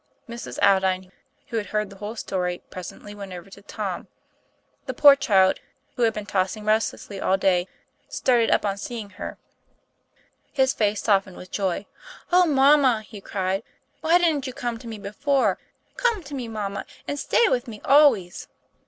Mrs. Aldine, who had heard the whole story, presently went over to Tom. The poor child, who had been tossing restlessly all day, started up on seeing her, his face softened with joy. '* Qh, mamma," he cried, "why didn't you 236 TOM PLA YFAIR. to me before? Come to me, mamma, and stay with me always."